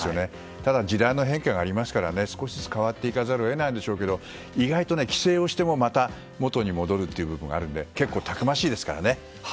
ただ、時代も変化もありますから少しずつ変わっていかざるを得ないんでしょうけど意外と規制をしてもまた元に戻る部分があるので結構たくましいですからね。